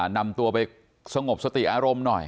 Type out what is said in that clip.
นำตัวไปสงบสติอารมณ์หน่อย